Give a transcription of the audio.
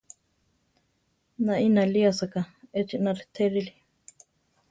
Naí náli asáka, echina retérili.